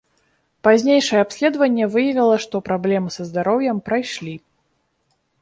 Пазнейшае абследаванне выявіла, што праблемы са здароўем прайшлі.